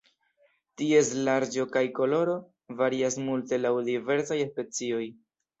Ties larĝo kaj koloro varias multe laŭ la diversaj specioj.